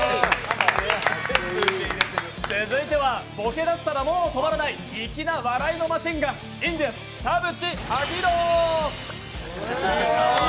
続いては、ボケだしたらもう止まらない、粋な笑いのマシンガン、田渕章裕。